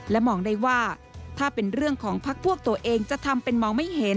และมองได้ว่าถ้าเป็นเรื่องของพักพวกตัวเองจะทำเป็นมองไม่เห็น